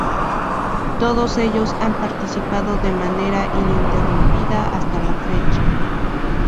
Todos ellos han participado de manera ininterrumpida hasta la fecha.